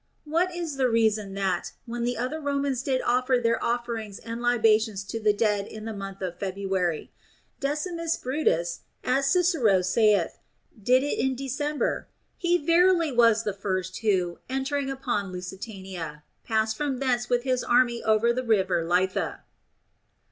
What is the reason that, when the other Romans did offer their offerings and libations to the dead in the month of February, Decimus Brutus (as Cicero saith) did it in December ? He verily was the first who, entering upon Lusitania, passed from thence with his army over the river Lethe.